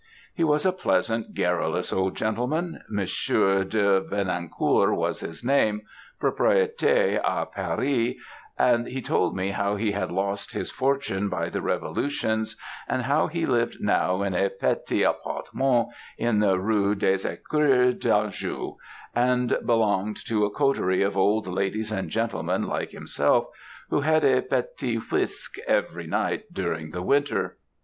He was a pleasant, garrulous, old gentleman. Monsieur de Vennacour was his name, proprietaire à Paris, and he told me how he had lost his fortune by the revolutions, and how he lived now in a petit apartment in the Rue des Ecuries d'Anjou, and belonged to a coterie of old ladies and gentlemen like himself, who had a petit whisk every night during the winter.